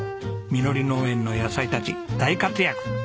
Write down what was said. みのり農園の野菜たち大活躍。